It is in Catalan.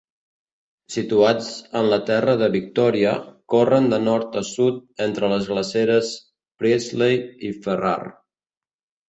Situats en la Terra de Victoria, corren de nord a sud entre les glaceres Priestley i Ferrar.